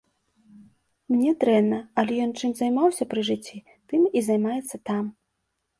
Мне дрэнна, але ён чым займаўся пры жыцці, тым і займаецца там.